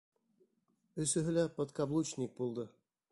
Өсөһө лә подкаблучник булды.